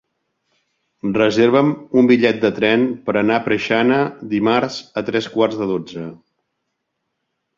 Reserva'm un bitllet de tren per anar a Preixana dimarts a tres quarts de dotze.